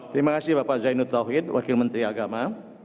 terima kasih bapak zainud tauhid wakil menteri agama